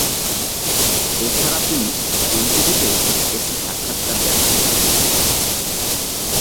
এছাড়া তিনি এমটিভি তেও একটি সাক্ষাৎকার দেন এই ব্যাপারে।